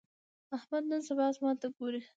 احمد نن سبا اسمان ته ګوري.